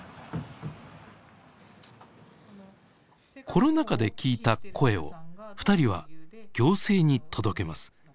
コロナ禍で聞いた声をふたりは行政に届けます。